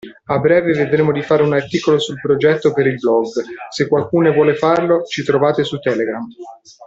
A breve vedremo di fare un articolo sul progetto per il blog, se qualcuno vuole farlo ci trovate su Telegram.